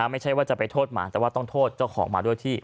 ไม่ใช่ว่าจะไปโทษหมาแต่ว่าต้องโทษเจ้าของหมาด้วยที่